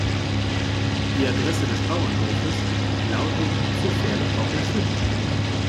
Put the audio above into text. Die Adresse des Bauernhofes lautet zur Pferdekoppel fünf.